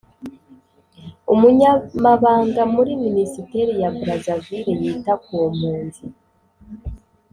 umunyamabanga muri Minisiteri ya Brazzaville yita ku mpunzi